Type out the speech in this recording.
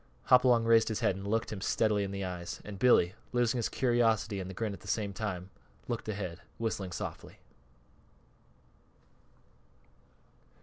Hopalong raised his head and looked him steadily in the eyes; and Billy, losing his curiosity and the grin at the same instant, looked ahead, whistling softly.